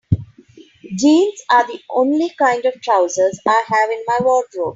Jeans are the only kind of trousers I have in my wardrobe.